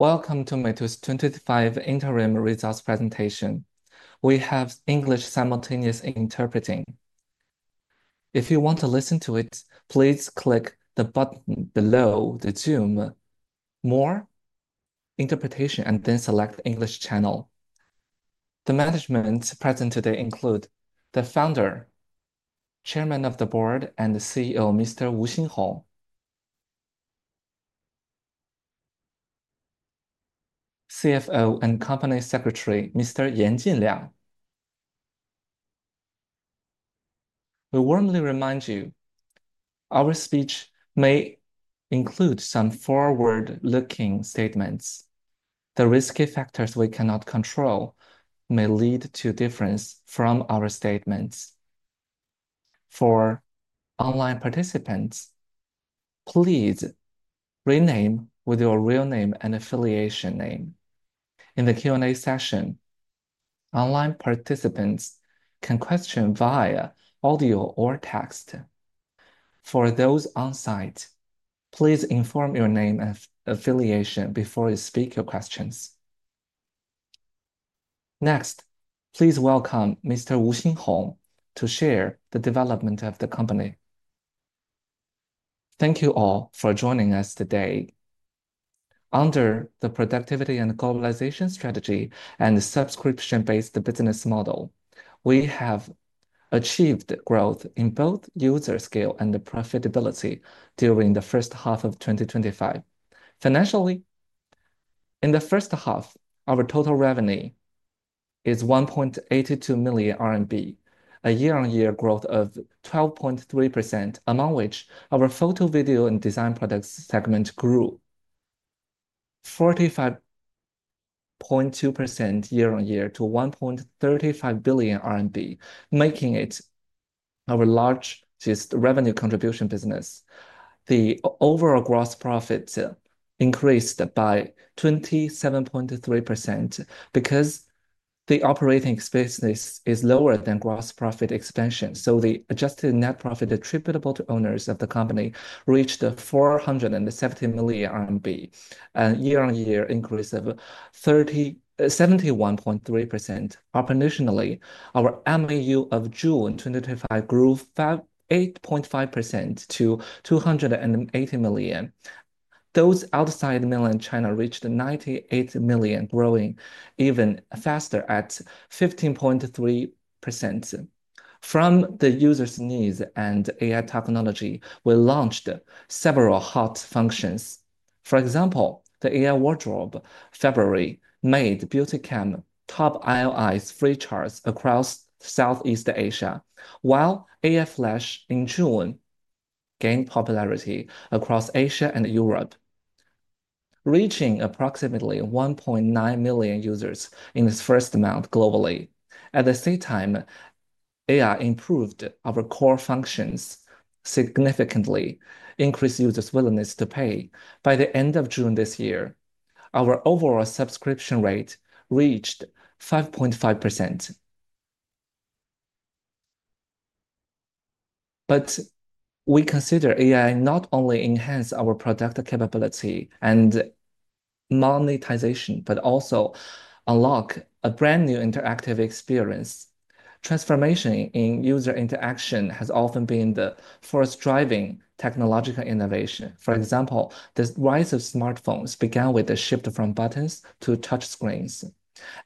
Welcome to Meitu's 2025 Interim Results Presentation. We have English simultaneous interpreting. If you want to listen to it, please click the button below the Zoom "More Interpretation" and then select the English channel. The management present today includes the Founder, Chairman of the Board, and the CEO, Mr. Wu Xinhong, CFO, and Company Secretary, Mr. Yan Jinliang. We warmly remind you that our speech may include some forward-looking statements. The risky factors we cannot control may lead to a difference from our statements. For online participants, please rename with your real name and affiliation name. In the Q&A session, online participants can question via audio or text. For those onsite, please inform your name and affiliation before you speak your questions. Next, please welcome Mr. Wu Xinhong to share the development of the company. Thank you all for joining us today. Under the Productivity and Globalization Strategy and the subscription-based business model, we have achieved growth in both user scale and profitability during the first half of 2025. Financially, in the first half, our total revenue is 1.82 billion RMB, a year-on-year growth of 12.3%, among which our photo, video, and design products segment grew 45.2% year-on-year to RMB 1.35 billion, making it our largest revenue contribution business. The overall gross profit increased by 27.3% because the operating expenses are lower than gross profit expenses, so the adjusted net profit attributable to owners of the company reached 470 million RMB, a year-on-year increase of 71.3%. Operationally, our MAU of June 2025 grew 8.5% to 280 million. Those outside mainland China reached 98 million, growing even faster at 15.3%. From the users' needs and AI technology, we launched several hot functions. For example, the AI Wardrobe in February made BeautyCam top iOS free charge across Southeast Asia, while AI Flash in June gained popularity across Asia and Europe, reaching approximately 1.9 million users in its first month globally. At the same time, AI improved our core functions significantly, increasing users' willingness to pay. By the end of June this year, our overall subscription rate reached 5.5%. We consider AI not only enhancing our product capability and monetization, but also unlocking a brand new interactive experience. Transformation in user interaction has often been the first driving technological innovation. For example, the rise of smartphones began with the shift from buttons to touch screens.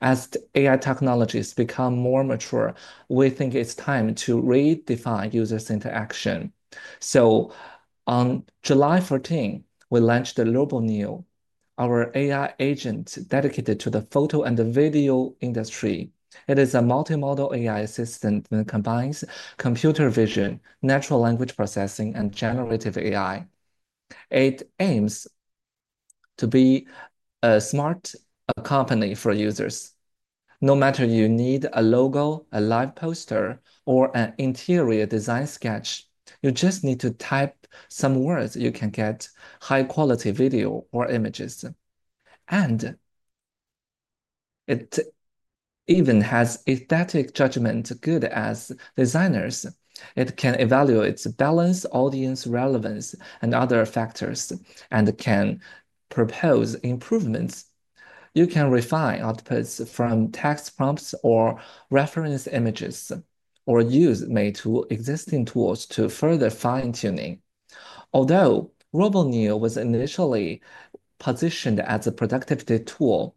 As AI technologies become more mature, we think it's time to redefine user interaction. So on July 14, we launched RoboNeo, our AI agent dedicated to the photo and video industry. It is a multimodal AI assistant that combines computer vision, natural language processing, and generative AI. It aims to be a smart company for users. No matter if you need a logo, a live poster, or an interior design sketch, you just need to type some words, and you can get high-quality video or images. It even has aesthetic judgment, as good as designers. It can evaluate balance, audience relevance, and other factors, and can propose improvements. You can refine outputs from text prompts or reference images, or use Meitu's existing tools for further fine-tuning. Although RoboNeo was initially positioned as a productivity tool,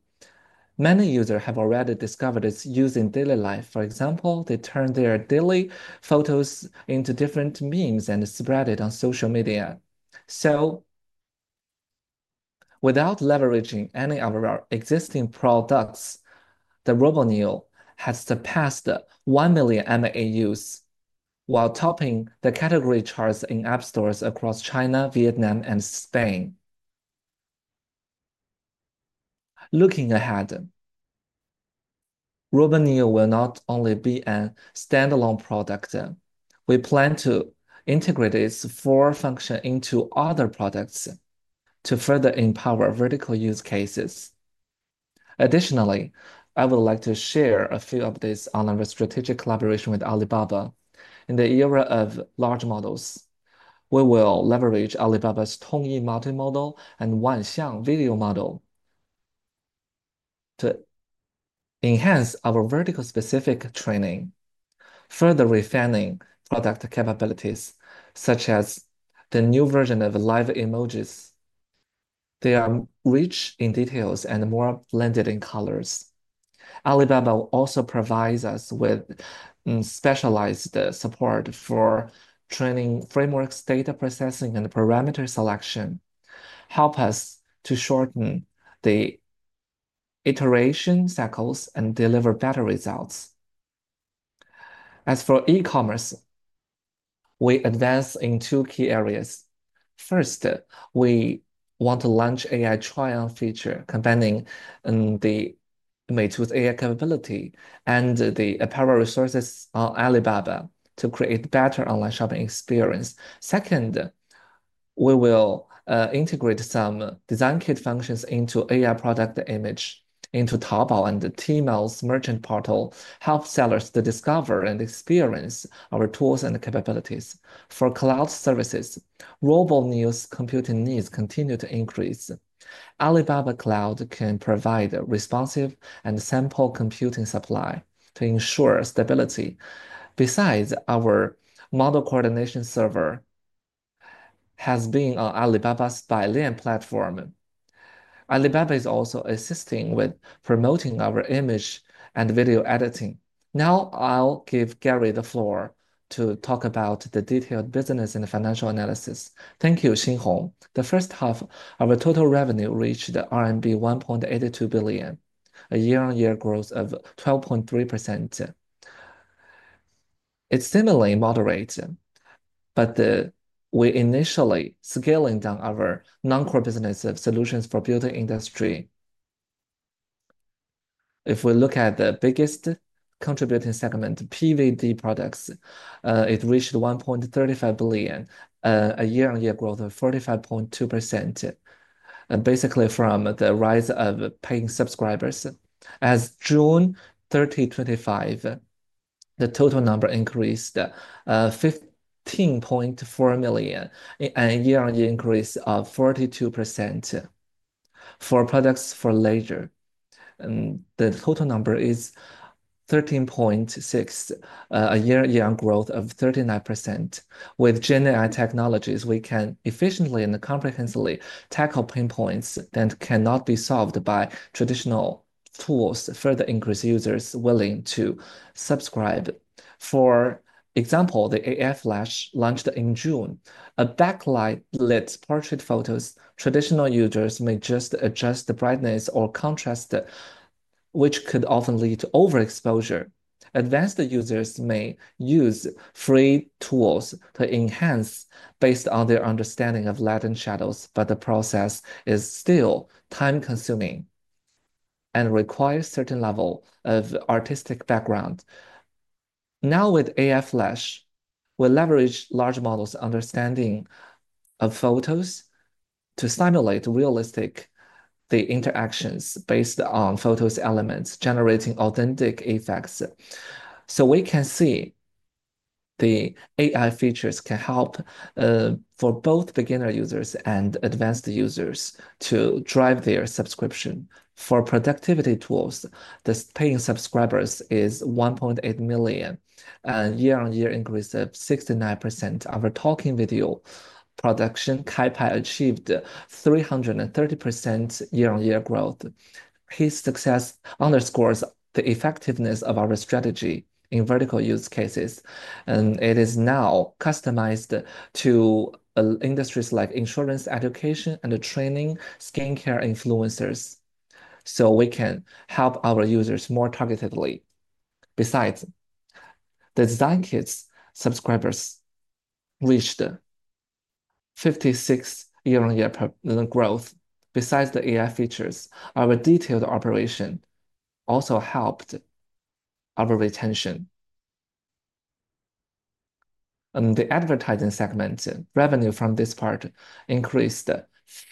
many users have already discovered its use in daily life. For example, they turn their daily photos into different memes and spread them on social media. So without leveraging any of our existing products, RoboNeo has surpassed 1 million MAUs, while topping the category charts in app stores across China, Vietnam, and Spain. Looking ahead, RoboNeo will not only be a standalone product. We plan to integrate its core function into other products to further empower vertical use cases. Additionally, I would like to share a few updates on our strategic collaboration with Alibaba. In the era of large models, we will leverage Alibaba's Tongyi Multimodel and Wanxiang Video Model to enhance our vertical-specific training, further refining product capabilities, such as the new version of live emojis. They are rich in details and more blended in colors. Alibaba also provides us with specialized support for training frameworks, data processing, and parameter selection, helping us to shorten the iteration cycles and deliver better results. As for e-commerce, we advance in two key areas. First, we want to launch an AI trial feature, combining Meitu's AI capability and the apparel resources on Alibaba to create a better online shopping experience. Second, we will integrate some DesignKit functions into AI product image into Taobao and Tmall's merchant portal, helping sellers to discover and experience our tools and capabilities. For cloud services, RoboNeo's computing needs continue to increase. Alibaba Cloud can provide a responsive and sample computing supply to ensure stability. Besides, our model coordination server has been on Alibaba's Bailian platform. Alibaba is also assisting with promoting our image and video editing. Now, I'll give Gary the floor to talk about the detailed business and financial analysis. Thank you, Xinhong. The first half of our total revenue reached RMB 1.82 billion, a year-on-year growth of 12.3%. It's similarly moderate, but we initially scaled down our non-core business solutions for the beauty industry. If we look at the biggest contributing segment, PVD products, it reached 1.35 billion, a year-on-year growth of 45.2%. Basically, from the rise of paying subscribers, as of June 30, 2025, the total number increased to 15.4 million, a year-on-year increase of 42%. For products for leisure, the total number is 13.6 million, a year-on-year growth of 39%. With generative AI technologies, we can efficiently and comprehensively tackle pain points that cannot be solved by traditional tools, further increasing users' willingness to subscribe. For example, the AI Flash launched in June. A backlight lets portrait photos. Traditional users may just adjust the brightness or contrast, which could often lead to overexposure. Advanced users may use free tools to enhance based on their understanding of light and shadows, but the process is still time-consuming and requires a certain level of artistic background. Now, with AI Flash, we leverage large models' understanding of photos to simulate realistic interactions based on photos' elements, generating authentic effects. We can see the AI features can help for both beginner users and advanced users to drive their subscription. For productivity tools, the paying subscribers is 1.8 million, a year-on-year increase of 69%. Our talking video production, Kaipai, achieved 330% year-on-year growth. His success underscores the effectiveness of our strategy in vertical use cases, and it is now customized to industries like insurance, education, and training skincare influencers, so we can help our users more targetedly. Besides, the DesignKit subscribers reached 56% year-on-year growth. Besides the AI features, our detailed operation also helped our retention. The advertising segment revenue from this part increased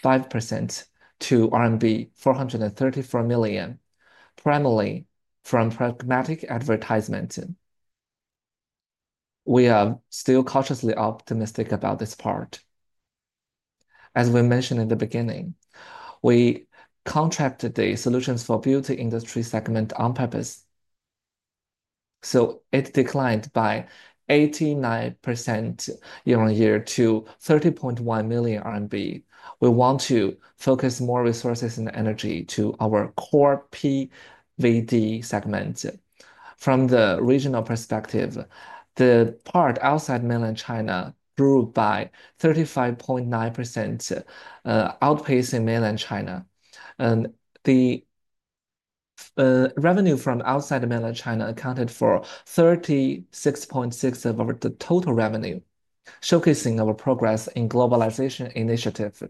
5% to RMB 434 million, primarily from programmatic advertising. We are still cautiously optimistic about this part. As we mentioned in the beginning, we contracted the solutions for the beauty industry segment on purpose, so it declined by 89% year-on-year to 30.1 million RMB. We want to focus more resources and energy to our core PVD segment. From the regional perspective, the part outside mainland China grew by 35.9%, outpacing mainland China. The revenue from outside mainland China accounted for 36.6% of our total revenue, showcasing our progress in globalization initiatives.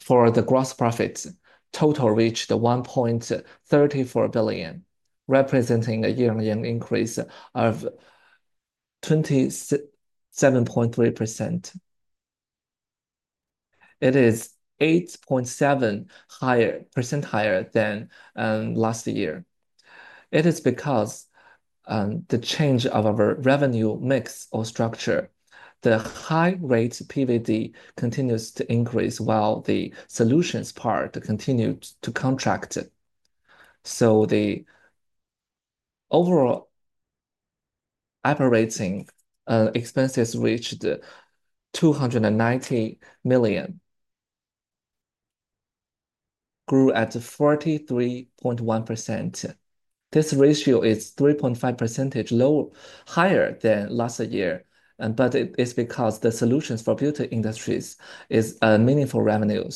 For the gross profit, total reached 1.34 billion, representing a year-on-year increase of 27.3%. It is 8.7% higher than last year. It is because of the change of our revenue mix or structure. The high-rate PVD continues to increase while the solutions part continues to contract. The overall operating expenses reached RMB 290 million, grew at 43.1%. This ratio is 3.5% lower, higher than last year, but it's because the solutions for beauty industries are meaningful revenue,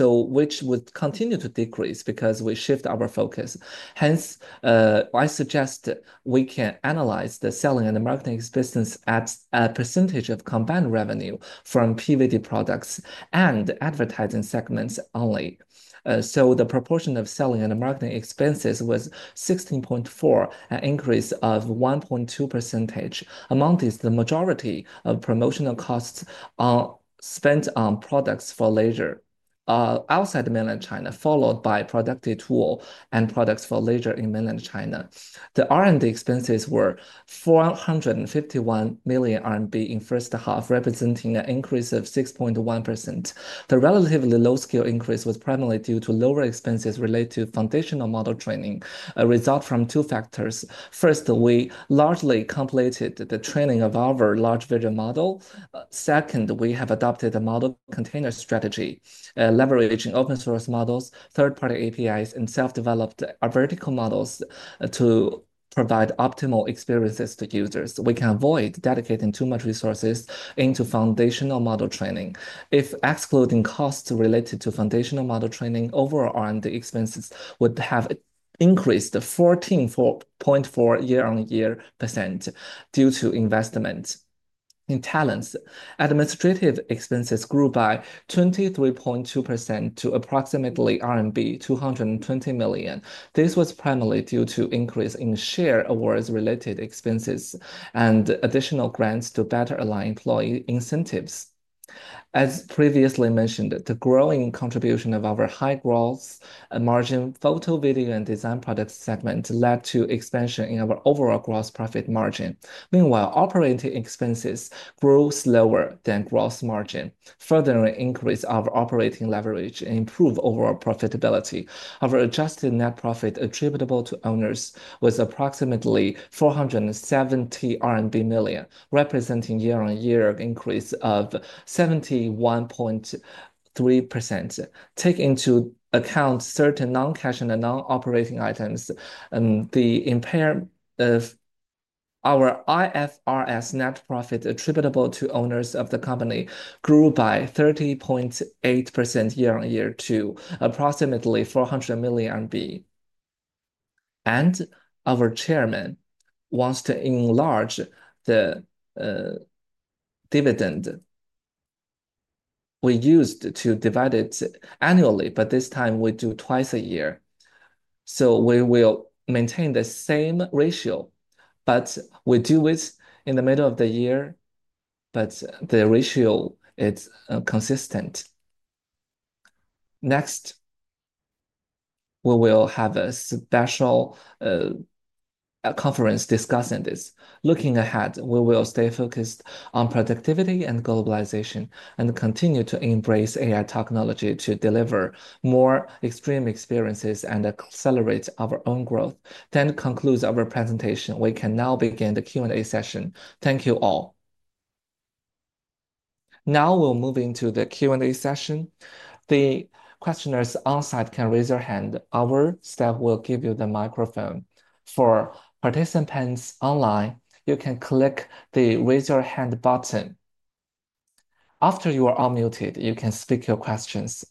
which would continue to decrease because we shift our focus. I suggest we can analyze the selling and the marketing expenses at a percentage of combined revenue from PVD products and advertising segments only. The proportion of selling and marketing expenses was 16.4%, an increase of 1.2%. Among these, the majority of promotional costs are spent on products for leisure outside mainland China, followed by productivity tools and products for leisure in mainland China. The R&D expenses were 451 million RMB in the first half, representing an increase of 6.1%. The relatively low-scale increase was primarily due to lower expenses related to foundational model training, a result from two factors. First, we largely completed the training of our large vision model. Second, we have adopted a model container strategy, leveraging open-source models, third-party APIs, and self-developed vertical models to provide optimal experiences to users. We can avoid dedicating too much resources into foundational model training. If excluding costs related to foundational model training, overall R&D expenses would have increased 14.4% year-on-year due to investment in talents. Administrative expenses grew by 23.2% to approximately RMB 220 million. This was primarily due to increasing share awards-related expenses and additional grants to better align employee incentives. As previously mentioned, the growing contribution of our high gross margin, photo, video, and design products segment led to expansion in our overall gross profit margin. Meanwhile, operating expenses grew slower than gross margin, further increasing our operating leverage and improving overall profitability. Our adjusted net profit attributable to owners was approximately RMB 470 million, representing a year-on-year increase of 71.3%. Taking into account certain non-cash and non-operating items, the impact is that our IFRS net profit attributable to owners of the company grew by 30.8% year-on-year to approximately 400 million RMB. Our Chairman wants to enlarge the dividend. We used to divide it annually, but this time we do it twice a year. We will maintain the same ratio, but we do it in the middle of the year, and the ratio is consistent. Next, we will have a special conference discussing this. Looking ahead, we will stay focused on productivity and globalization and continue to embrace AI technology to deliver more extreme experiences and accelerate our own growth. That concludes our presentation. We can now begin the Q&A session. Thank you all. Now we'll move into the Q&A session. The questioners onsite can raise their hand. Our staff will give you the microphone. For participants online, you can click the "Raise Your Hand" button. After you are unmuted, you can speak your questions.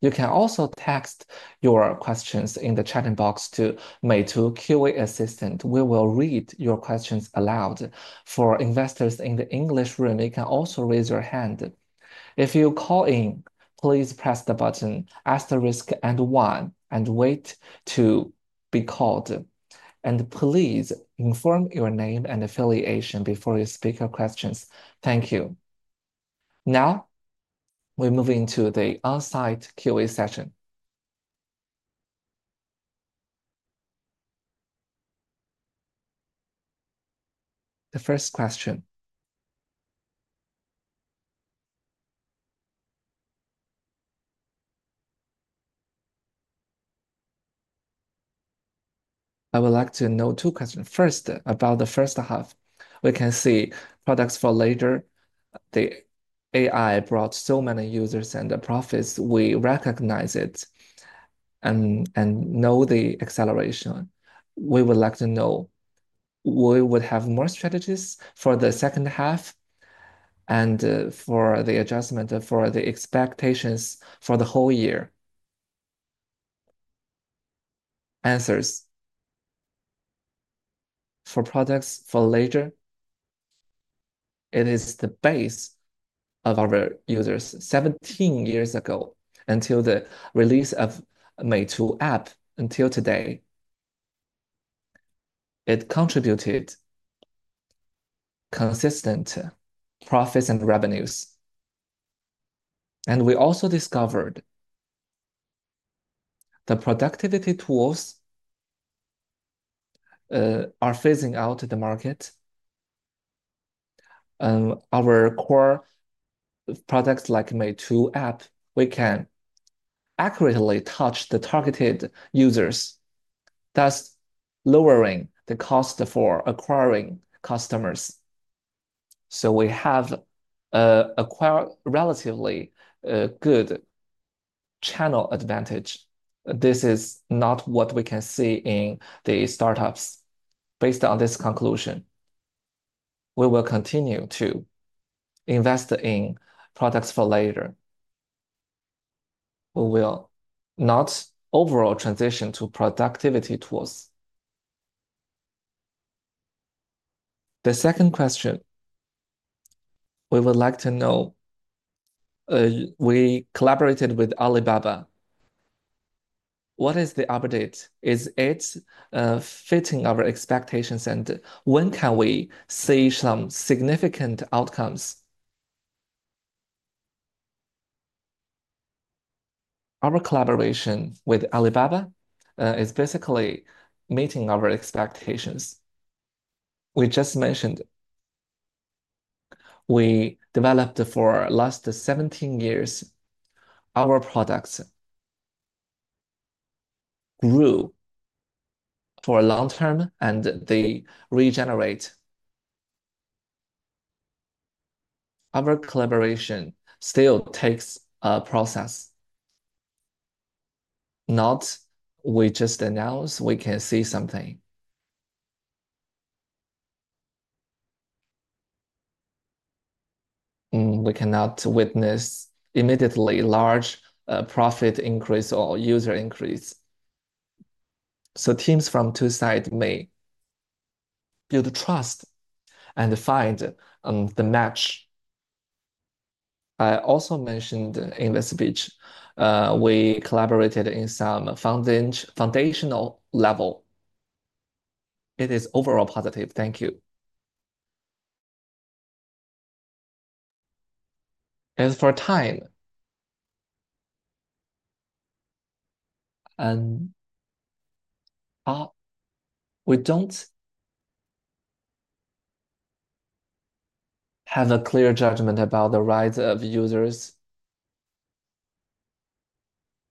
You can also text your questions in the chatting box to Meitu's QA assistant. We will read your questions aloud. For investors in the English room, you can also raise your hand. If you call in, please press the button "Ask the Risk and Want" and wait to be called. And please inform your name and affiliation before you speak your questions. Thank you. Now we move into the onsite QA session. The first question. I would like to note two questions. First, about the first half. We can see products for leisure. The AI brought so many users and profits. We recognize it and know the acceleration. We would like to know, will we would have more strategies for the second half and for the adjustment for the expectations for the whole year? Answers. For products for leisure, it is the base of our users. 17 years ago, until the release of the Meitu app, until today, it contributed to consistent profits and revenues. And we also discovered the productivity tools are phasing out the market. Our core products like the Meitu app, we can accurately touch the targeted users, thus lowering the cost for acquiring customers. So we have a relatively good channel advantage. This is not what we can see in the startups. Based on this conclusion, we will continue to invest in products for leisure. We will not overall transition to productivity tools. The second question. We would like to know, we collaborated with Alibaba. What is the update? Is it fitting our expectations, and when can we see some significant outcomes? Our collaboration with Alibaba is basically meeting our expectations. We just mentioned we developed for the last 17 years. Our products grew for a long term, and they regenerate. Our collaboration still takes a process. Not we just announce we can see something. We cannot witness immediately a large profit increase or user increase. Teams from two sides may build trust and find the match. I also mentioned in the speech, we collaborated in some foundational level. It is overall positive. Thank you. As for time, we don't have a clear judgment about the rise of users.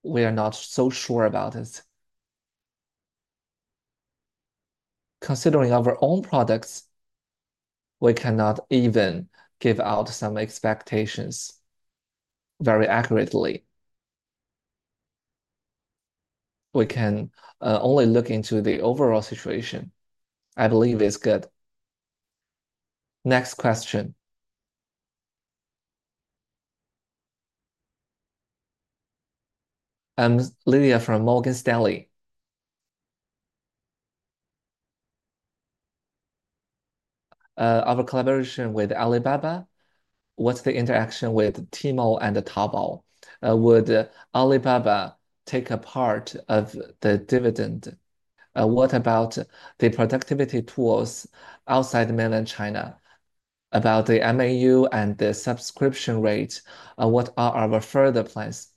We are not so sure about this. Considering our own products, we cannot even give out some expectations very accurately. We can only look into the overall situation. I believe it's good. Next question. I'm Lydia from Morgan Stanley. Our collaboration with Alibaba, what's the interaction with Tmall and Taobao? Would Alibaba take a part of the dividend? What about the productivity tools outside mainland China? About the MAU and the subscription rate, what are our further plans?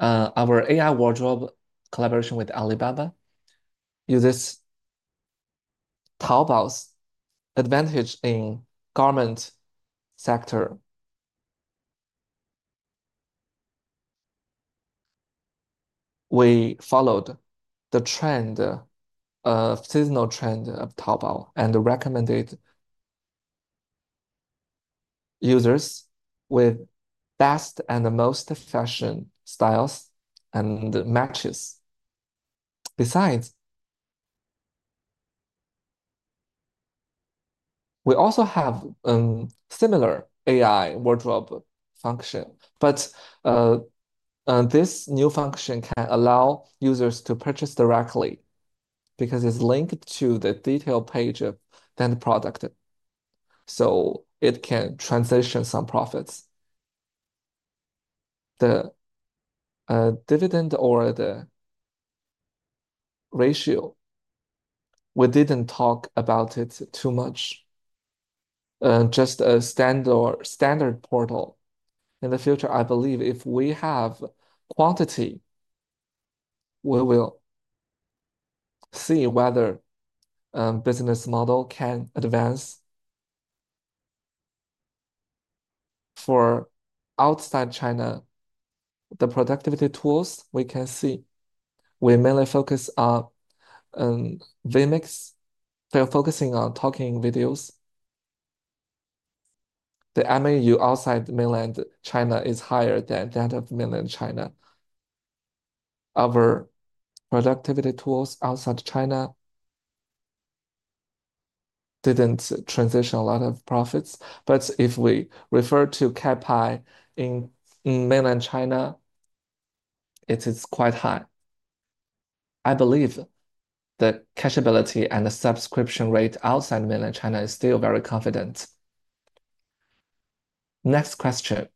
Our AI Wardrobe collaboration with Alibaba uses Taobao's advantage in the garment sector. We followed the trend, the seasonal trend of Taobao, and recommended users with the best and most fashion styles and matches. Besides, we also have a similar AI Wardrobe function, but this new function can allow users to purchase directly because it's linked to the detail page of the end product. It can transition some profits. The dividend or the ratio, we didn't talk about it too much. Just a standard portal. In the future, I believe if we have quantity, we will see whether the business model can advance. For outside China, the productivity tools we can see. We mainly focus on Vmake. We are focusing on talking videos. The MAU outside mainland China is higher than that of mainland China. Our productivity tools outside China didn't transition a lot of profits, but if we refer to Kaipai in mainland China, it is quite high. I believe the cachability and the subscription rate outside mainland China is still very confident. Next question.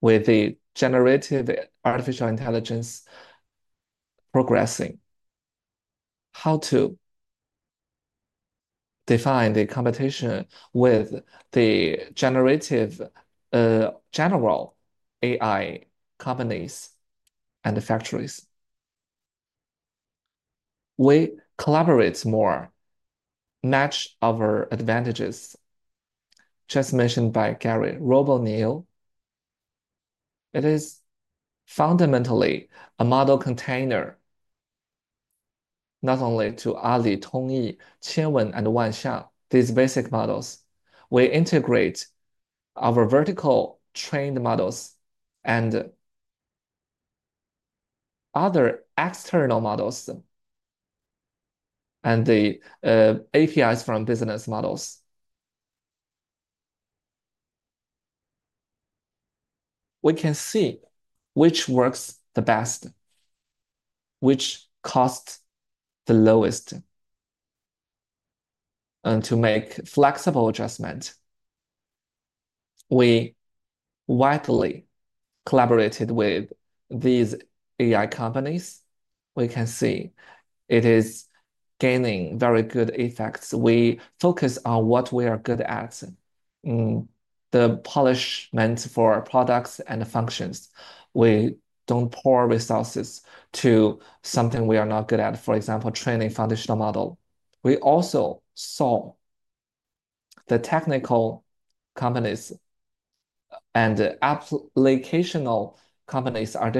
With the generative artificial intelligence progressing, how to define the competition with the generative general AI companies and the factories? We collaborate more, match our advantages. Just mentioned by Gary, RoboNeo, it is fundamentally a model container, not only to Ali, Tongyi Qianwen, and Wanxiang. These basic models, we integrate our vertical trained models and other external models and the APIs from business models. We can see which works the best, which costs the lowest to make flexible adjustments. We widely collaborated with these AI companies. We can see it is gaining very good effects. We focus on what we are good at, the polishment for products and functions. We don't pour resources to something we are not good at, for example, training a foundational model. We also saw the technical companies and the applicational companies are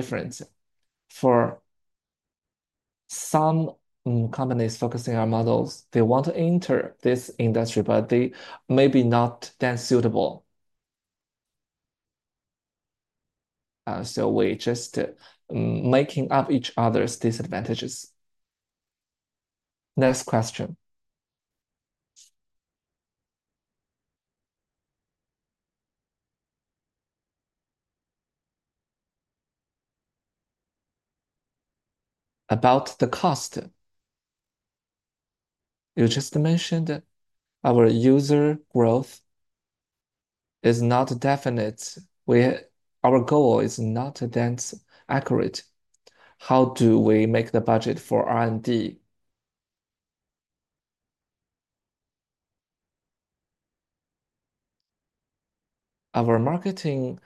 different. For some companies focusing on models, they want to enter this industry, but they may be not that suitable. We're just making up each other's disadvantages. Next question. About the cost, you just mentioned our user growth is not definite. Our goal is not that accurate. How do we make the budget for R&D? Our marketing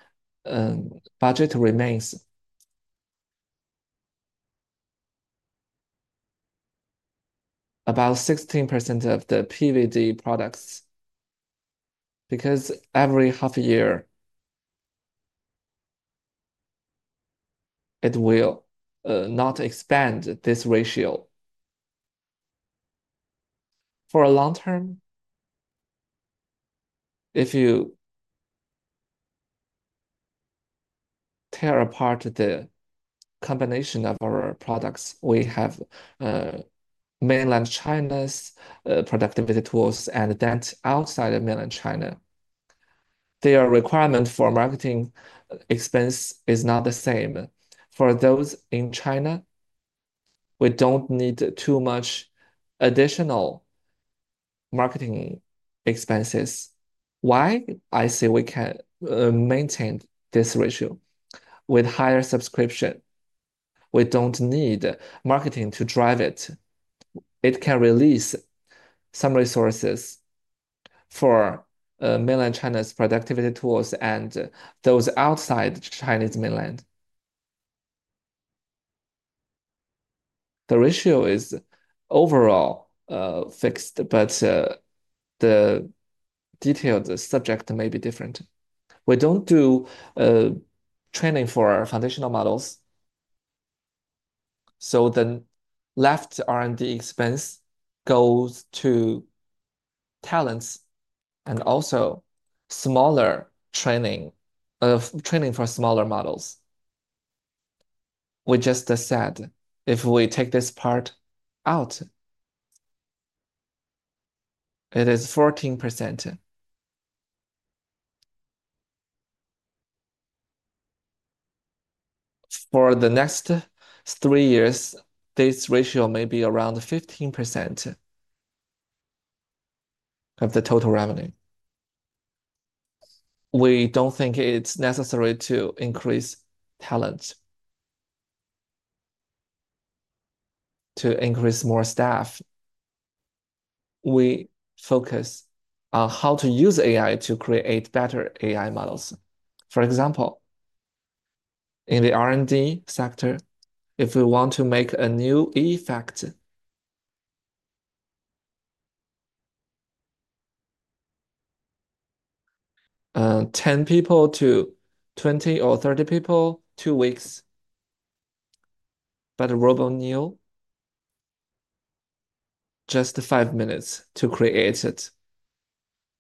budget remains about 16% of the PVD products because every half a year, it will not expand this ratio. For a long term, if you tear apart the combination of our products, we have mainland China's productivity tools and that outside of mainland China. Their requirement for marketing expense is not the same. For those in China, we don't need too much additional marketing expenses. Why? I say we can maintain this ratio with higher subscription. We don't need marketing to drive it. It can release some resources for mainland China's productivity tools and those outside Chinese mainland. The ratio is overall fixed, but the detailed subject may be different. We don't do training for our foundational models. The left R&D expense goes to talents and also smaller training for smaller models. We just said if we take this part out, it is 14%. For the next three years, this ratio may be around 15% of the total revenue. We don't think it's necessary to increase talent to increase more staff. We focus on how to use AI to create better AI models. For example, in the R&D sector, if we want to make a new effect, 10 people to 20 or 30 people, two weeks. RoboNeo, just five minutes to create it,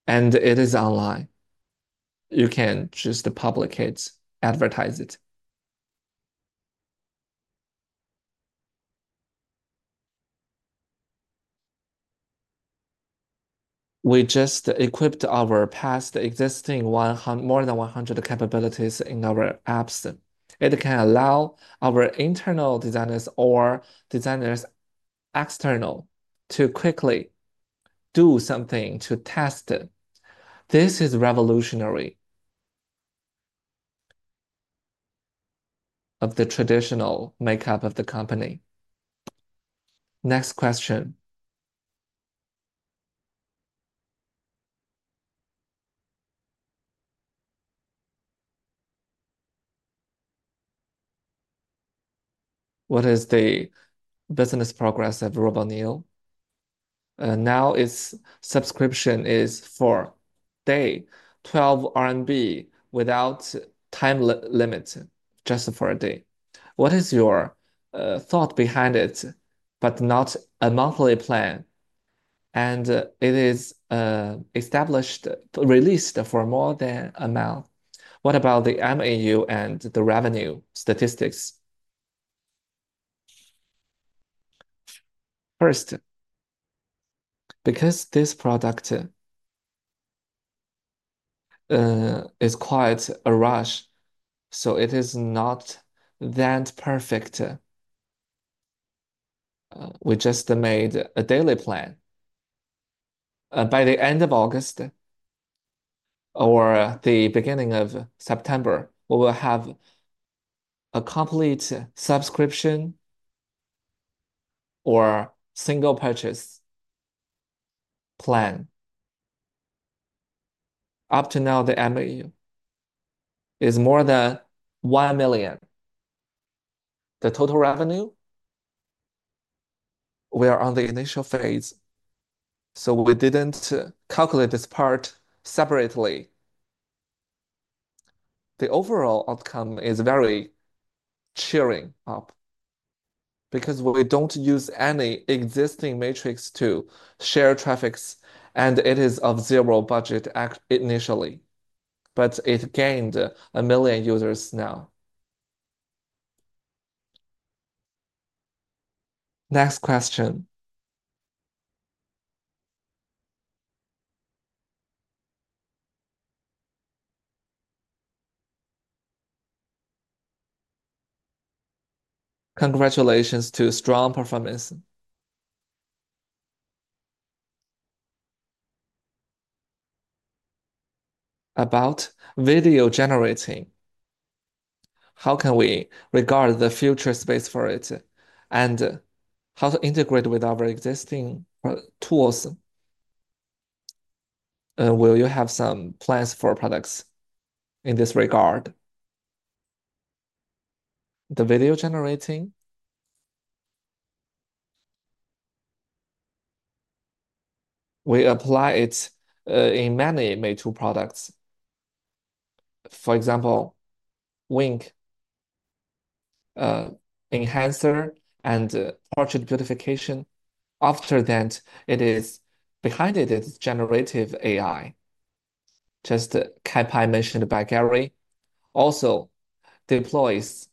and it is online. You can choose to publicate, advertise it. We just equipped our past existing more than 100 capabilities in our apps. It can allow our internal designers or designers external to quickly do something to test it. This is revolutionary of the traditional makeup of the company. Next question. What is the business progress of RoboNeo? Now its subscription is for a day, 12 RMB without time limit, just for a day. What is your thought behind it, but not a monthly plan? It is established, released for more than a mile. What about the MAU and the revenue statistics? First, because this product is quite a rush, it is not that perfect. We just made a daily plan. By the end of August or the beginning of September, we will have a complete subscription or single purchase plan. Up to now, the MAU is more than 1 million. The total revenue? We are on the initial phase, so we didn't calculate this part separately. The overall outcome is very cheering up because we don't use any existing metrics to share traffics, and it is of zero budget initially, but it gained a million users now. Next question. Congratulations to strong performance. About video generating, how can we regard the future space for it and how to integrate with our existing tools? Will you have some plans for products in this regard? The video generating, we apply it in many Meitu products. For example, Wink Enhancer and Portrait Beautification. After that, it is behind it, it's generative AI. Just Kaipai mentioned by Gary also deploys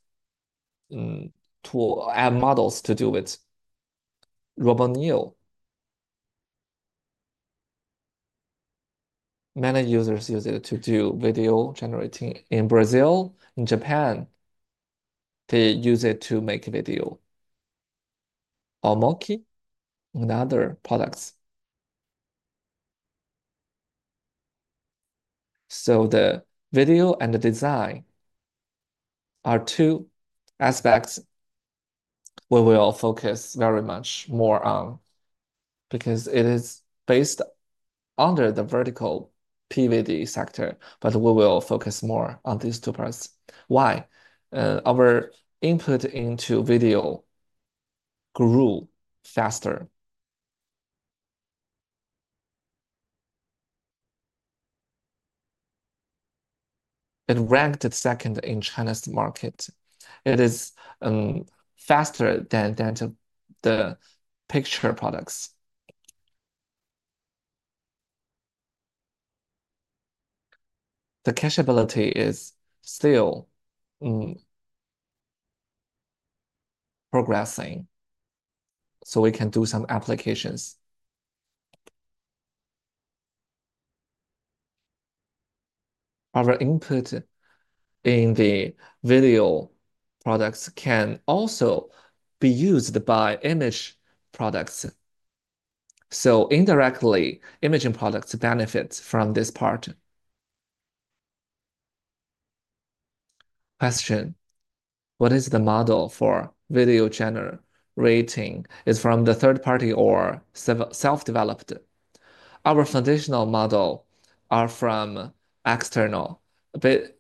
tool and models to do it. RoboNeo, many users use it to do video generating. In Brazil, in Japan, they use it to make video. Omochi, another product. The video and the design are two aspects we will focus very much more on because it is based under the vertical PVD sector, but we will focus more on these two parts. Why? Our input into video grew faster. It ranked second in China's market. It is faster than the picture products. The cachability is still progressing, we can do some applications. Our input in the video products can also be used by image products. Indirectly, imaging products benefit from this part. Question. What is the model for video channel rating? Is it from the third party or self-developed? Our foundational model are from external.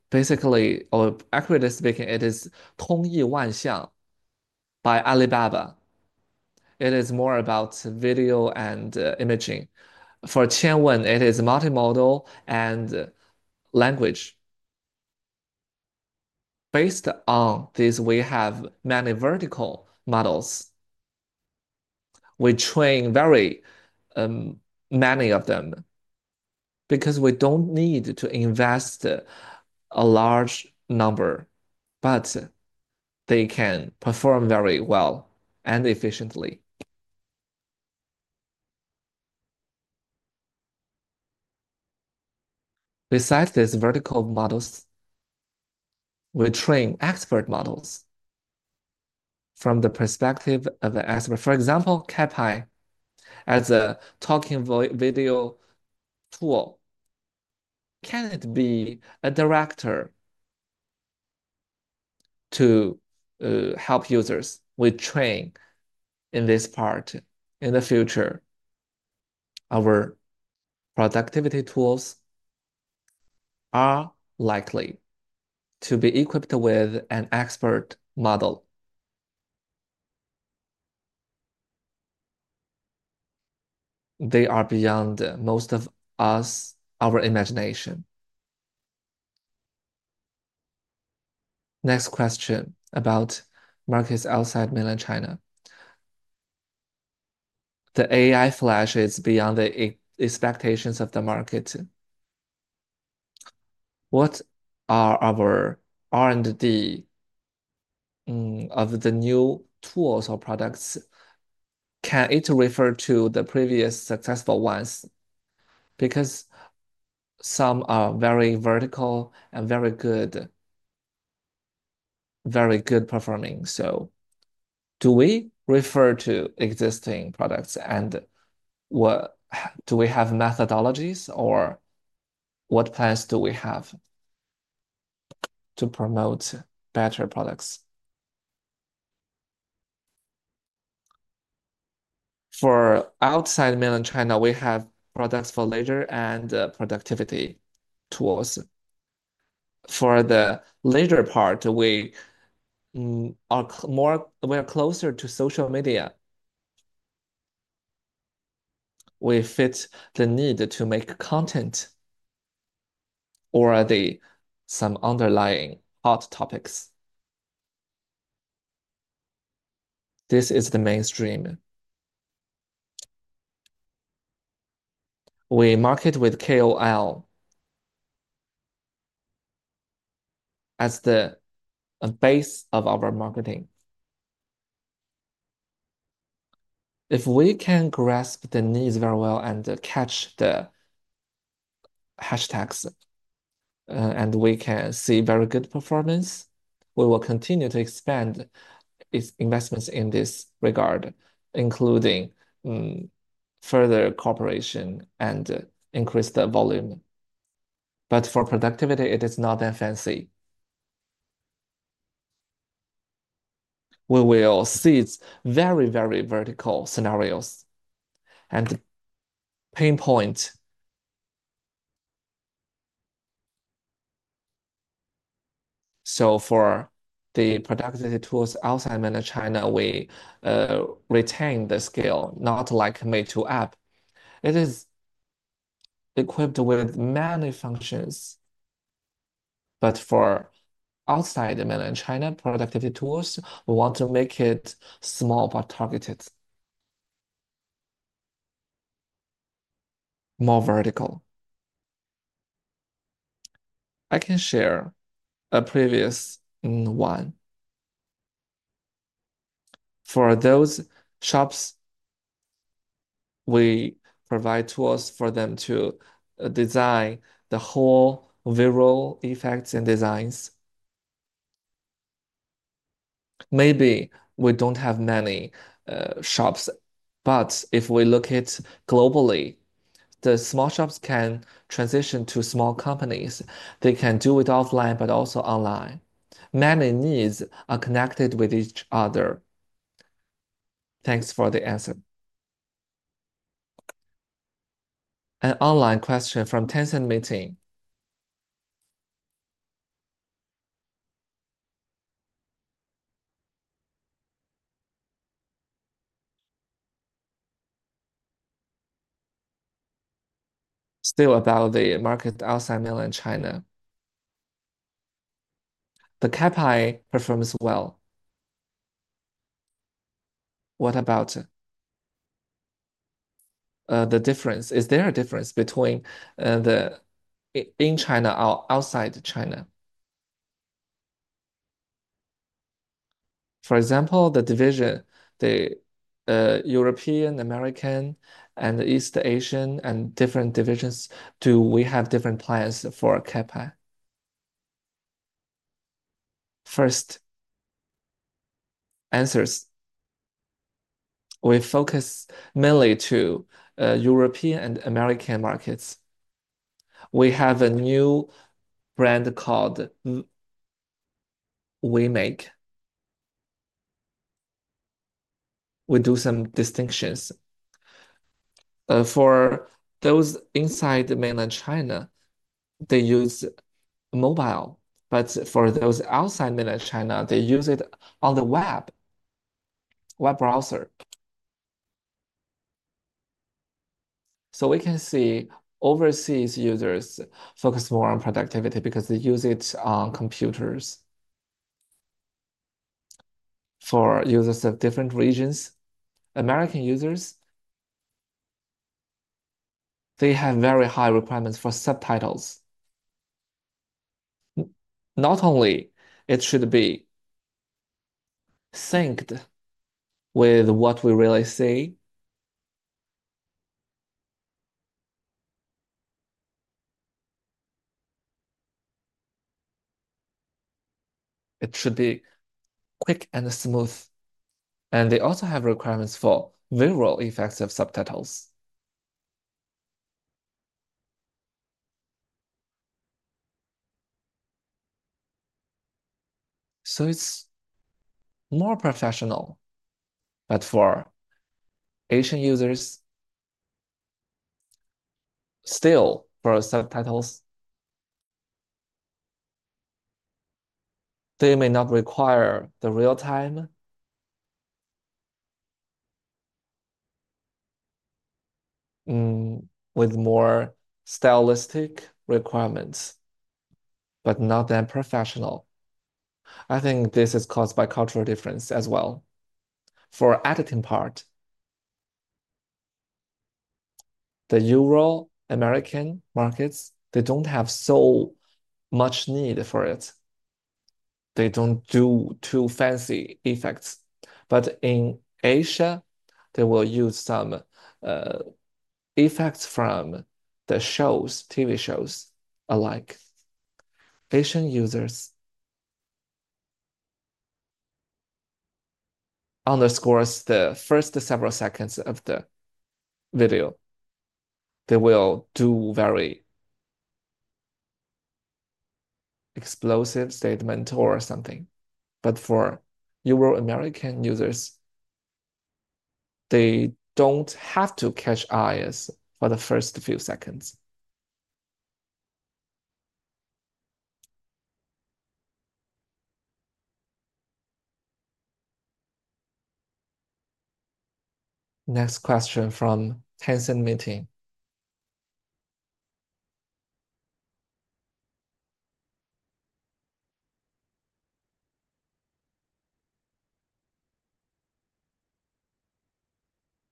Basically, or accurately speaking, it is Tongyi Wanxiang by Alibaba. It is more about video and imaging. For Qianwen, it is multimodal and language. Based on this, we have many vertical models. We train very many of them because we don't need to invest a large number, but they can perform very well and efficiently. Besides these vertical models, we train expert models from the perspective of the expert. For example, Kaipai as a talking video tool. Can it be a director to help users? We train in this part. In the future, our productivity tools are likely to be equipped with an expert model. They are beyond most of us, our imagination. Next question about markets outside mainland China. The AI Flash is beyond the expectations of the market. What are our R&D of the new tools or products? Can it refer to the previous successful ones? Because some are very vertical and very good, very good performing. Do we refer to existing products and do we have methodologies or what plans do we have to promote better products? For outside mainland China, we have products for leisure and productivity tools. For the leisure part, we are closer to social media. We fit the need to make content or some underlying hot topics. This is the mainstream. We market with KOL as the base of our marketing. If we can grasp the needs very well and catch the hashtags, and we can see very good performance, we will continue to expand investments in this regard, including further cooperation and increased volume. For productivity, it is not that fancy. We will see very, very vertical scenarios and pinpoint. For the productivity tools outside mainland China, we retain the scale, not like Meitu app. It is equipped with many functions, but for outside mainland China productivity tools, we want to make it small but targeted, more vertical. I can share a previous one. For those shops, we provide tools for them to design the whole visual effects and designs. Maybe we don't have many shops, but if we look at globally, the small shops can transition to small companies. They can do it offline, but also online. Many needs are connected with each other. Thanks for the answer. An online question from Tencent Meeting. Still about the market outside mainland China. The Kaipai performs well. What about the difference? Is there a difference between in China or outside China? For example, the division, the European, American, and East Asian, and different divisions, do we have different plans for Kaipai? First, answers. We focus mainly on European and American markets. We have a new brand called WeMake. We do some distinctions. For those inside mainland China, they use mobile, but for those outside mainland China, they use it on the web, web browser. So we can see overseas users focus more on productivity because they use it on computers. For users of different regions, American users, they have very high requirements for subtitles. Not only it should be synced with what we really see, it should be quick and smooth, and they also have requirements for visual effects of subtitles. It is more professional, but for Asian users, still for subtitles, they may not require the real-time with more stylistic requirements, but not that professional. I think this is caused by cultural difference as well. For the editing part, the Euro, American markets, they do not have so much need for it. They do not do too fancy effects, but in Asia, they will use some effects from the shows, TV shows alike. Asian users underscore the first several seconds of the video. They will do very explosive statements or something, but for Euro, American users, they do not have to catch eyes for the first few seconds. Next question from Tencent Meeting.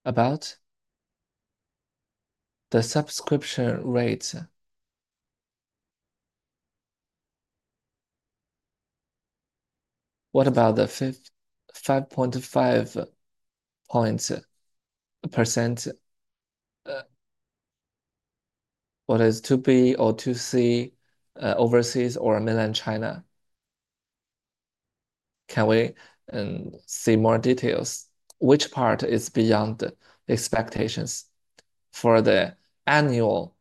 About the subscription rate, what about the 5.5%? What is 2B or 2C overseas or mainland China? Can we see more details? Which part is beyond expectations for the annual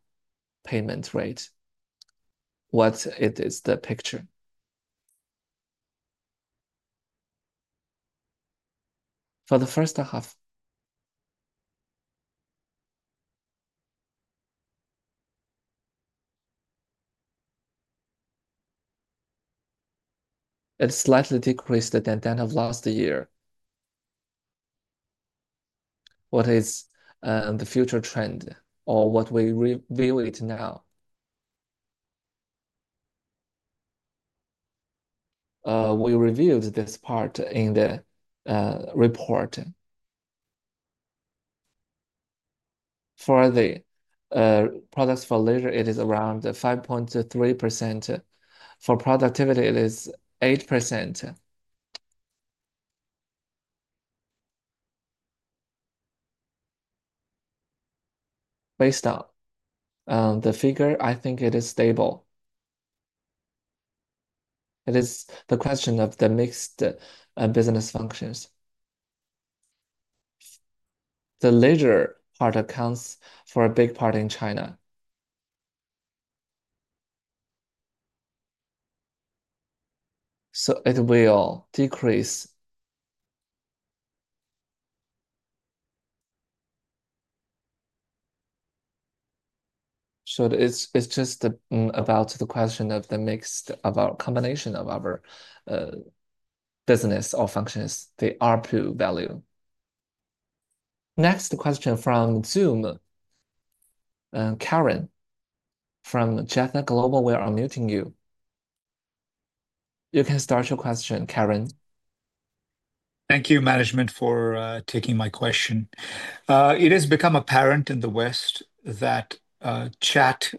payment rate? What is the picture? For the first half, it slightly decreased than that of last year. What is the future trend or what we view it now? We reviewed this part in the report. For the products for leisure, it is around 5.3%. For productivity, it is 8%. Based on the figure, I think it is stable. It is the question of the mixed business functions. The leisure part accounts for a big part in China. It will decrease. It is just about the question of the mixed combination of our business or functions, the RPU value. Next question from Zoom, Karen from JetNet Global. We are unmuting you. You can start your question, Karen. Thank you, management, for taking my question. It has become apparent in the West that chat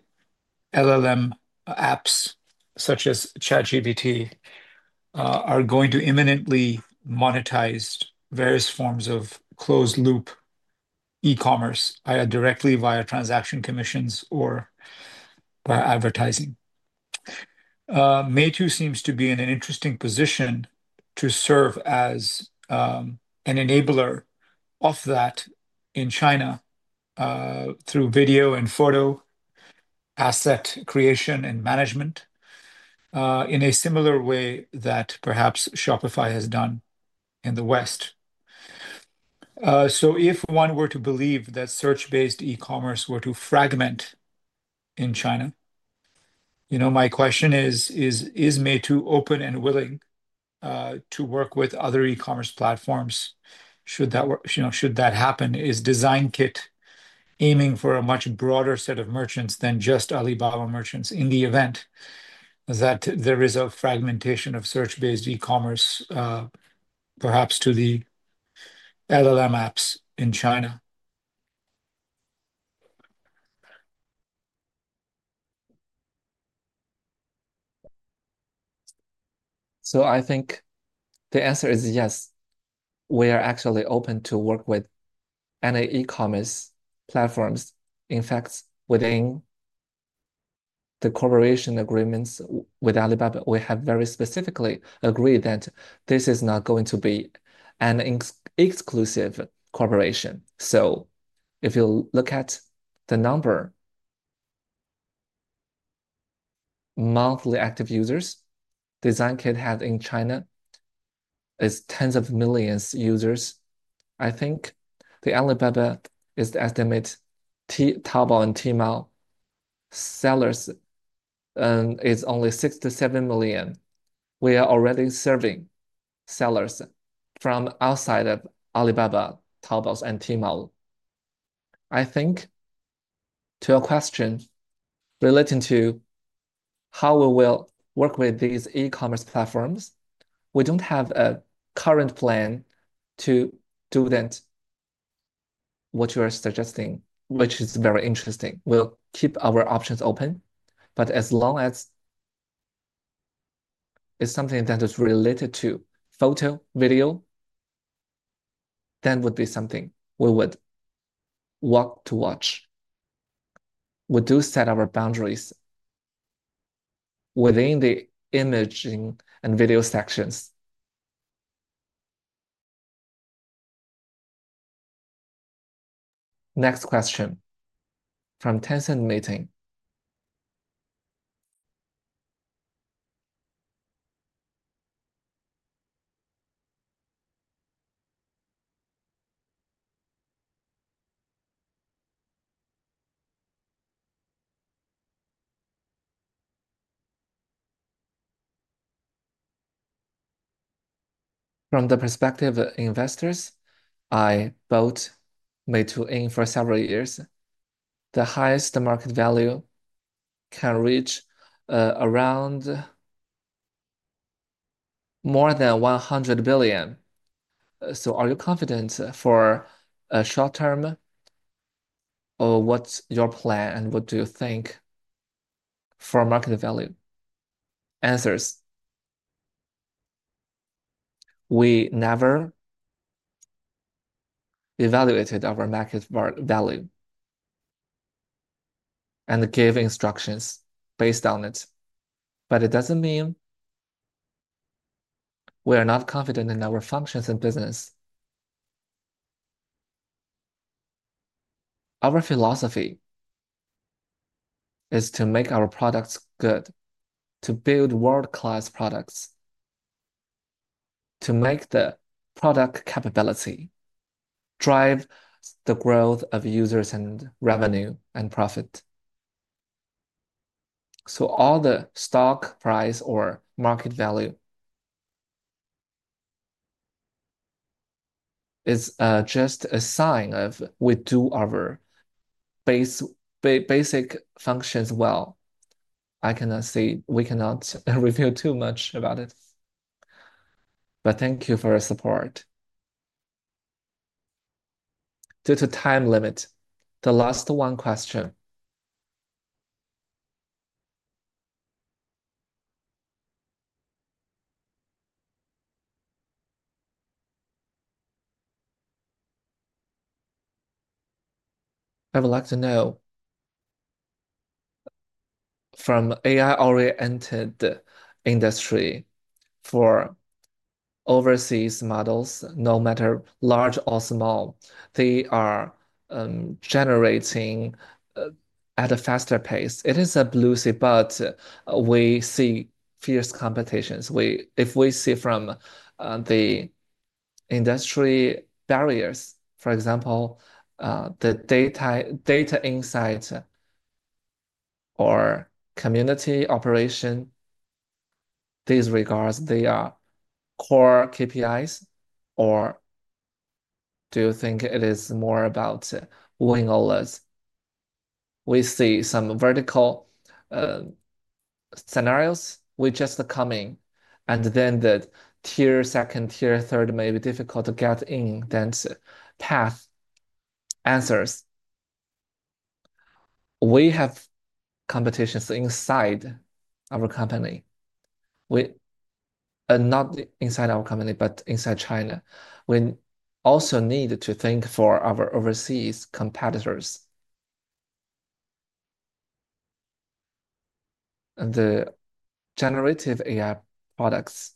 LLM apps such as ChatGPT are going to imminently monetize various forms of closed-loop e-commerce, either directly via transaction commissions or by advertising. Meitu seems to be in an interesting position to serve as an enabler of that in China through video and photo asset creation and management in a similar way that perhaps Shopify has done in the West. So if one were to believe that search-based e-commerce were to fragment in China, my question is, is Meitu open and willing to work with other e-commerce platforms? Should that happen? Is DesignKit aiming for a much broader set of merchants than just Alibaba merchants in the event that there is a fragmentation of search-based e-commerce perhaps to the LLM apps in China? I think the answer is yes. We are actually open to work with any e-commerce platforms. In fact, within the cooperation agreements with Alibaba, we have very specifically agreed that this is not going to be an exclusive cooperation. So if you look at the number of monthly active users, DesignKit has in China tens of millions of users. I think Alibaba is the estimate, Taobao and Tmall sellers are only 6 million-7 million. We are already serving sellers from outside of Alibaba, Taobao, and Tmall. I think to your question relating to how we will work with these e-commerce platforms, we don't have a current plan to do that, what you are suggesting, which is very interesting. We'll keep our options open, but as long as it's something that is related to photo, video, that would be something we would want to watch. We do set our boundaries within the imaging and video sections. Next question from Tencent Meeting. From the perspective of investors, I vote Meitu in for several years. The highest market value can reach around more than 100 billion. Are you confident for a short term or what's your plan and what do you think for market value? Answers. We never evaluated our market value and gave instructions based on it, but it doesn't mean we are not confident in our functions and business. Our philosophy is to make our products good, to build world-class products, to make the product capability drive the growth of users and revenue and profit. So all the stock price or market value is just a sign of we do our basic functions well. I cannot say we cannot reveal too much about it, but thank you for your support. Due to the time limit, the last one question. I would like to know from AI-oriented industry for overseas models, no matter large or small, they are generating at a faster pace. It is a bluesy, but we see fierce competitions. If we see from the industry barriers, for example, the data insight or community operation, these regards, they are core KPIs, or do you think it is more about winning all this? We see some vertical scenarios which just are coming, and then the tier second, tier third may be difficult to get in that path. Answers. We have competitions inside our company, not inside our company, but inside China. We also need to think for our overseas competitors. The generative AI products,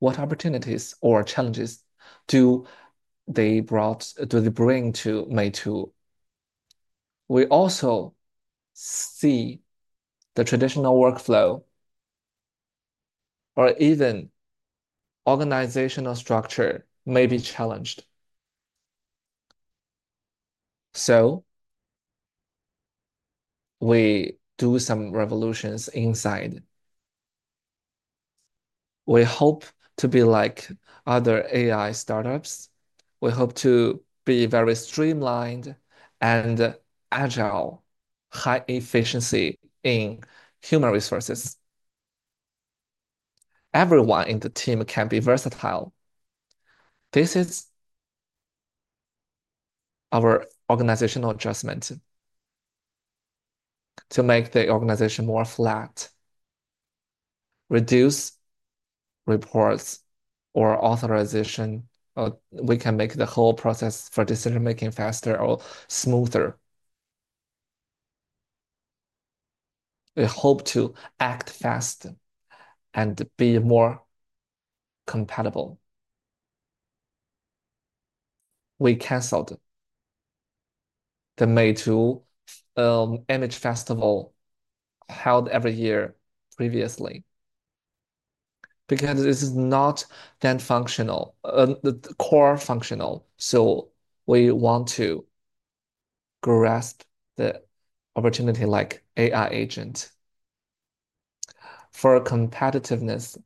what opportunities or challenges do they bring to Meitu? We also see the traditional workflow or even organizational structure may be challenged. We do some revolutions inside. We hope to be like other AI startups. We hope to be very streamlined and agile, high efficiency in human resources. Everyone in the team can be versatile. This is our organizational adjustment to make the organization more flat, reduce reports or authorization, or we can make the whole process for decision-making faster or smoother. We hope to act fast and be more compatible. We canceled the Meitu Image Festival held every year previously because it is not that functional, the core functional. We want to grasp the opportunity like AI agent. For competitiveness,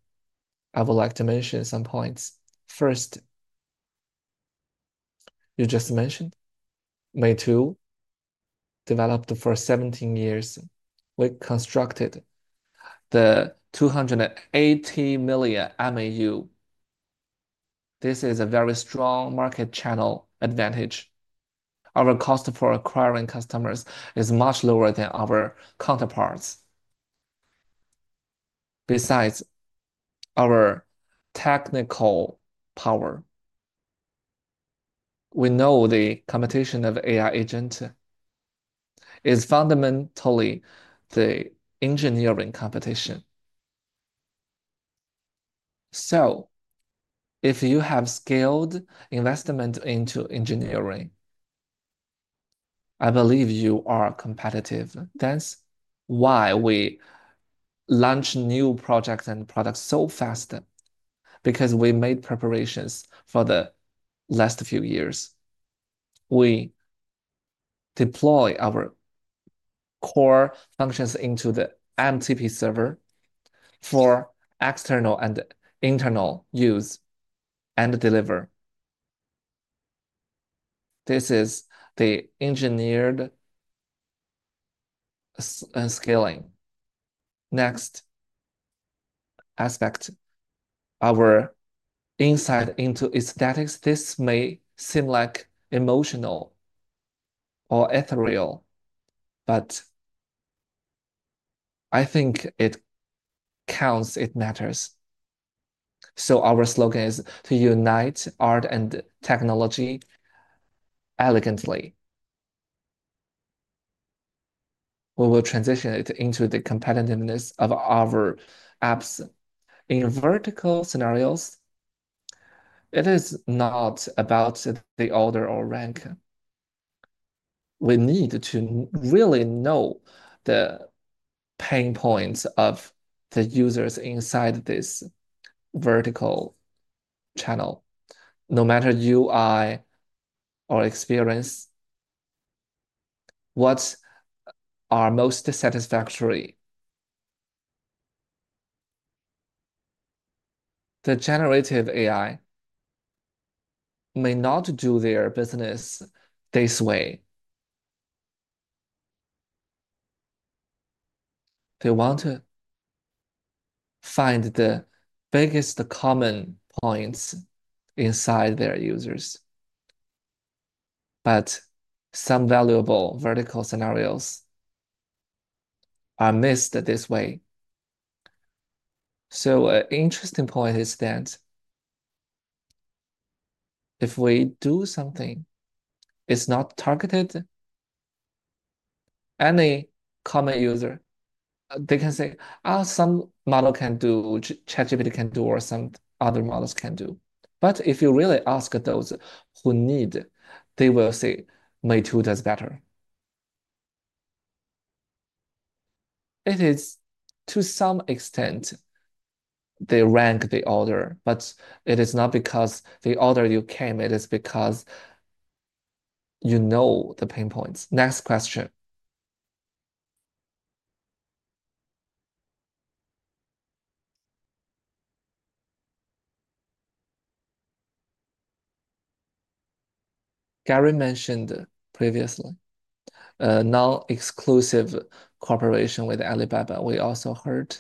I would like to mention some points. First, you just mentioned Meitu developed for 17 years. We constructed the 280 million MAU. This is a very strong market channel advantage. Our cost for acquiring customers is much lower than our counterparts. Besides our technical power, we know the competition of AI agent is fundamentally the engineering competition. So if you have scaled investment into engineering, I believe you are competitive. That's why we launch new projects and products so fast, because we made preparations for the last few years. We deploy our core functions into the MTP server for external and internal use and deliver. This is the engineered scaling. Next aspect, our insight into aesthetics. This may seem like emotional or ethereal, but I think it counts, it matters. Our slogan is to unite art and technology elegantly. We will transition it into the competitiveness of our apps in vertical scenarios. It is not about the order or rank. We need to really know the pain points of the users inside this vertical channel, no matter UI or experience, what are most satisfactory. The generative AI may not do their business this way. They want to find the biggest common points inside their users, but some valuable vertical scenarios are missed this way. So an interesting point is that if we do something, it's not targeted to any common user. They can say, "Oh, some model can do, ChatGPT can do, or some other models can do." But if you really ask those who need, they will say, "Meitu does better." It is to some extent they rank the order, but it is not because the order you came, it is because you know the pain points. Next question. Gary mentioned previously, a non-exclusive cooperation with Alibaba. We also heard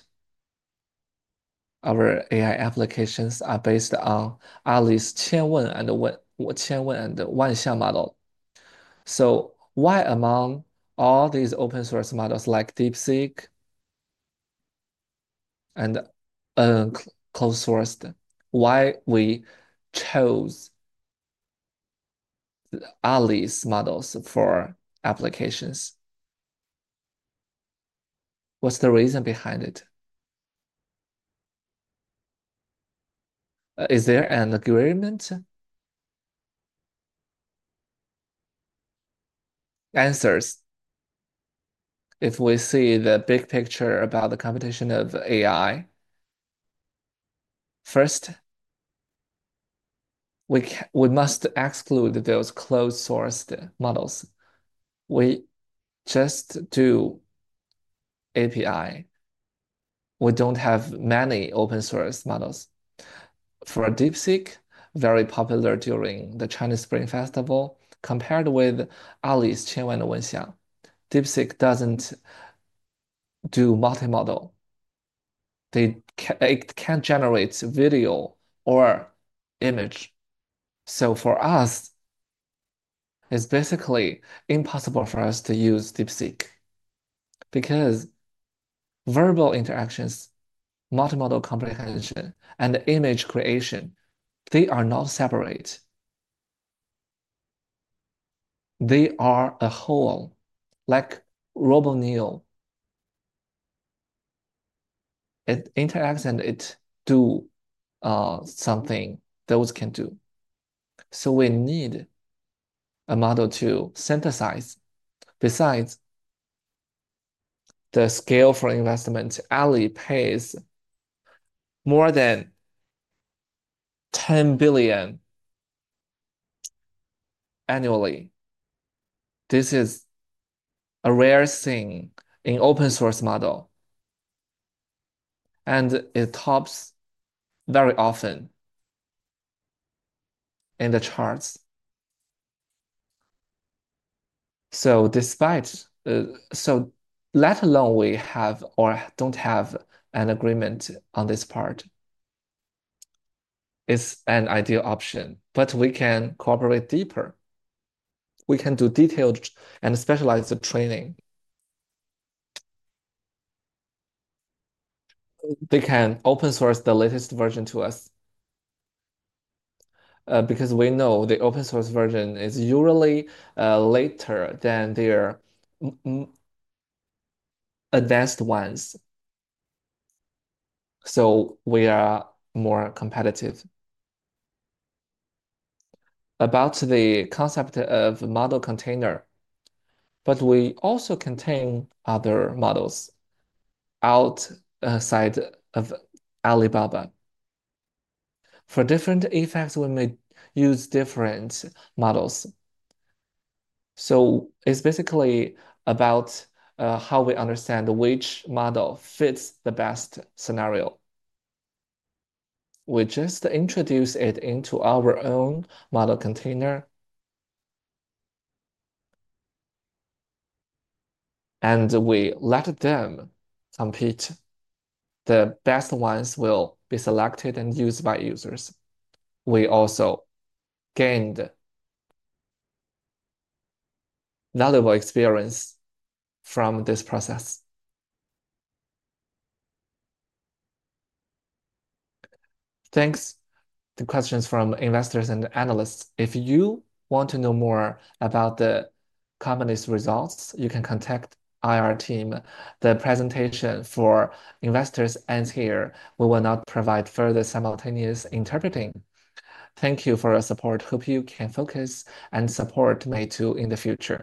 our AI applications are based on at least Qwen and Wanxiang Model. So why among all these open-source models like DeepSeek and closed-source, why we chose at least models for applications? What's the reason behind it? Is there an agreement? Answers. If we see the big picture about the competition of AI, first, we must exclude those closed-source models. We just do API. We don't have many open-source models. For DeepSeek, very popular during the Chinese Spring Festival, compared with at least Qwen and Wanxiang, DeepSeek doesn't do multimodal. It can't generate video or image. So for us, it's basically impossible for us to use DeepSeek because verbal interactions, multimodal comprehension, and image creation, they are not separate. They are a whole, like RoboNeo. It interacts and it does something those can do. So we need a model to synthesize. Besides the scale for investment, Ali pays more than RMB 10 billion annually. This is a rare thing in open-source models, and it tops very often in the charts. Let alone we have or don't have an agreement on this part, it's an ideal option, but we can cooperate deeper. We can do detailed and specialized training. They can open-source the latest version to us because we know the open-source version is usually later than their advanced ones. So we are more competitive. About the concept of model container, we also contain other models outside of Alibaba. For different effects, we may use different models. So it's basically about how we understand which model fits the best scenario. We just introduce it into our own model container, and we let them compete. The best ones will be selected, and used by users. We also gained valuable experience from this process. Thanks to questions from investors and analysts. If you want to know more about the commonly used results, you can contact our team. The presentation for investors ends here. We will not provide further simultaneous interpreting. Thank you for your support. Hope you can focus and support Meitu in the future.